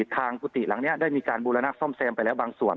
กุฏิหลังนี้ได้มีการบูรณะซ่อมแซมไปแล้วบางส่วน